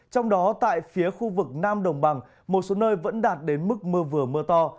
trong đó tại phía khu vực nam đồng bằng một số nơi vẫn đạt đến mức mưa vừa mưa to